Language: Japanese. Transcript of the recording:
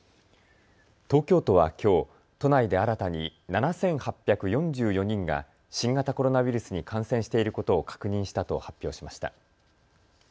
東京都はきょう、都内で新たに７８４４人が新型コロナウイルスに感染していることを確認したと発表しました。